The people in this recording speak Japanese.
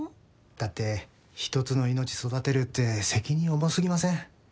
だって一つの命育てるって責任重すぎません？